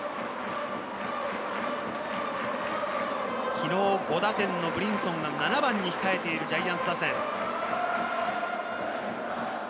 昨日５打点のブリンソンが７番に控えているジャイアンツ打線。